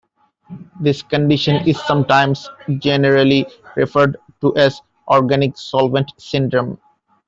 This condition is sometimes generally referred to as "organic solvent syndrome".